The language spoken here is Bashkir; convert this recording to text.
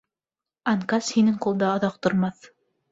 Анкас һинең ҡулда оҙаҡ тормаҫ.